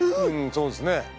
そうですね。